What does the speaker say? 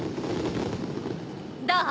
どう？